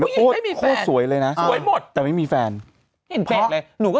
ไม่มีแฟนโคตรสวยเลยน่ะสวยหมดแต่ไม่มีแฟนเห็นแป๊บเลยหนูก็